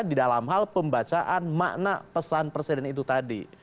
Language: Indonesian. di dalam hal pembacaan makna pesan presiden itu tadi